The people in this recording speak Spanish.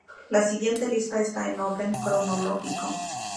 La siguiente lista está en orden cronológico.